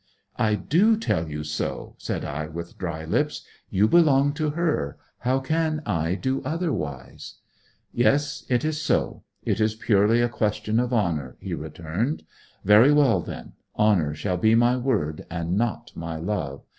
'I do tell you so,' said I with dry lips. 'You belong to her how can I do otherwise?' 'Yes; it is so; it is purely a question of honour,' he returned. 'Very well then, honour shall be my word, and not my love.